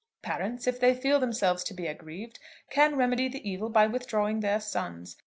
Parents, if they feel themselves to be aggrieved, can remedy the evil by withdrawing their sons.